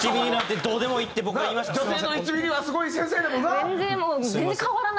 女性の１ミリはすごい繊細やもんな？